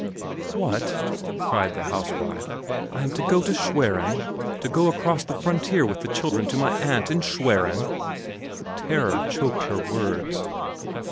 "What!" cried the housewife; "I am to go to Schwerin to go across the frontier with the children to my aunt in Schwerin?" Terror choked her words.